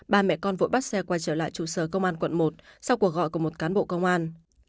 ba mẹ con vội bắt xe quay trở lại trụ sở công an quận một sau cuộc gọi của một cán bộ công an